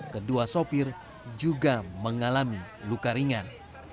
kedua sopir juga mengalami luka ringan